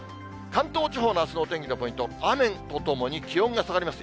関東地方のあすのお天気のポイント、雨とともに気温が下がります。